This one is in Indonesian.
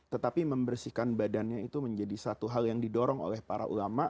tetapi membersihkan badannya itu menjadi satu hal yang didorong oleh para ulama